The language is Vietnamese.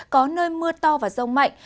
có nơi mưa to và rông mạnh